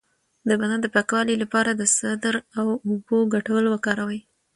د بدن د پاکوالي لپاره د سدر او اوبو ګډول وکاروئ